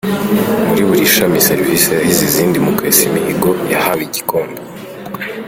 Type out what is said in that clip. Muri buri shami serivisi yahize izindi mu kwesa imihigo yahawe igikombe.